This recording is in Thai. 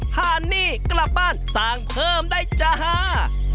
ห้านี่กลับบ้านสร้างเพิ่มได้จ้า